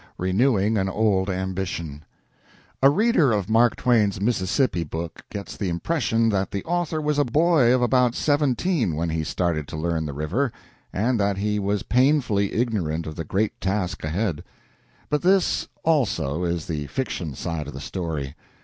RENEWING AN OLD AMBITION A reader of Mark Twain's Mississippi book gets the impression that the author was a boy of about seventeen when he started to learn the river, and that he was painfully ignorant of the great task ahead. But this also is the fiction side of the story.